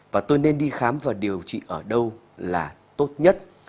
và tôi nên đi khám và điều trị ở đâu là tốt nhất